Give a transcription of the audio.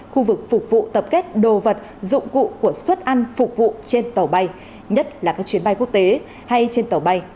khu vực phục vụ tập kết đồ vật dụng cụ của suất ăn phục vụ trên tàu bay nhất là các chuyến bay quốc tế hay trên tàu bay